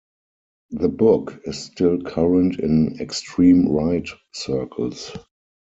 The book is still current in extreme-right circles.